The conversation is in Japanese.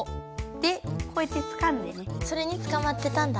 でこうやってつかんでねそれにつかまってたんだ！